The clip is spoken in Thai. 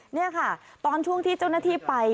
นี่ค่ะตอนช่วงที่เจ้าหน้าที่ไป